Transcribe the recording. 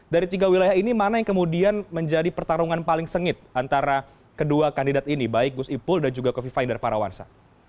dari tiga wilayah ini mana yang kemudian menjadi pertarungan paling sengit antara kedua kandidat ini baik gus ipul dan juga kofifa indar parawansa